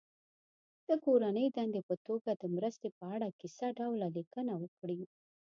د کورنۍ دندې په توګه د مرستې په اړه کیسه ډوله لیکنه وکړي.